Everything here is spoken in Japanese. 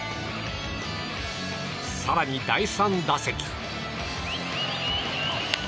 更に、第３打席。